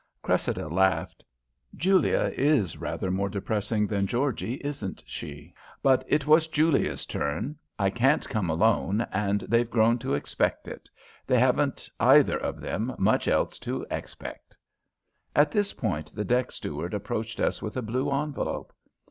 Cressida laughed. "Julia is rather more depressing than Georgie, isn't she? But it was Julia's turn. I can't come alone, and they've grown to expect it. They haven't, either of them, much else to expect." At this point the deck steward approached us with a blue envelope.